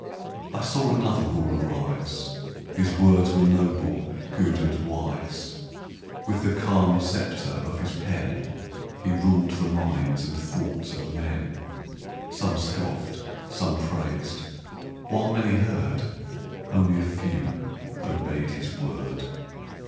I saw another Ruler rise His words were noble, good, and wise; With the calm sceptre of his pen He ruled the minds and thoughts of men; Some scoffed, some praised while many heard, Only a few obeyed his word.